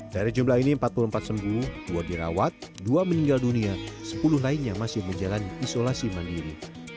dari jumlah ini empat puluh empat sembuh dua dirawat dua meninggal dunia sepuluh lainnya masih menjalani isolasi mandiri